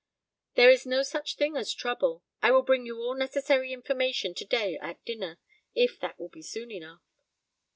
"There is no such thing as trouble. I will bring you all necessary information to day at dinner, if that will be soon enough."